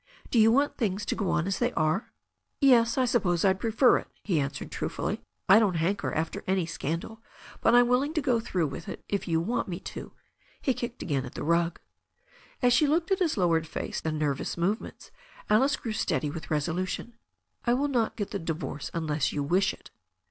"Do you want things to go on as they are?*' "Yes, I suppose I'd prefer it," he answered truthfully. "I don't hanker after any scandal. But I'm willing to go through with it if you both want me to." He kicked again at the rug. As she looked at his lowered face and nervous movements, Alice grew steady with resolution. "I will not get the divorce unless you wish it."